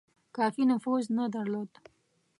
کافي نفوذ نه درلود.